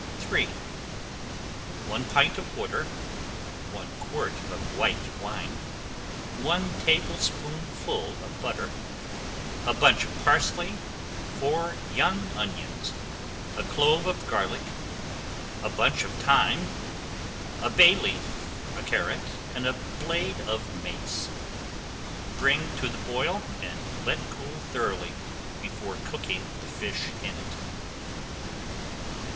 [Page 9] III One pint of water, one quart of white wine, one tablespoonful of butter, a bunch of parsley, four young onions, a clove of garlic, a bunch of thyme, a bay leaf, a carrot, and a blade of mace. Bring to the boil and let cool thoroughly before cooking the fish in it.